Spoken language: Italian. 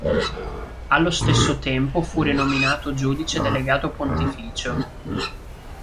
Allo stesso tempo fu rinominato giudice delegato pontificio.